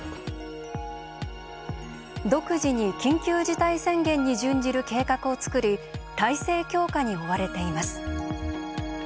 独自に緊急事態宣言に準じる計画を作り体制強化に追われています。